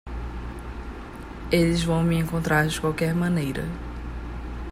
Eles vão me encontrar de qualquer maneira.